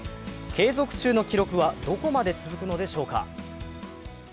継続中の記録はどこまで続くのでしょうか？